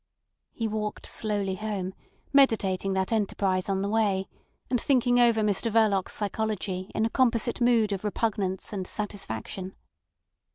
He walked slowly home, meditating that enterprise on the way, and thinking over Mr Verloc's psychology in a composite mood of repugnance and satisfaction.